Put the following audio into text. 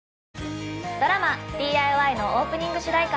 ドラマ「ＤＩＹ‼」のオープニング主題歌